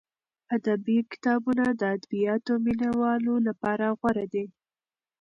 ادبي کتابونه د ادبیاتو مینه والو لپاره غوره دي.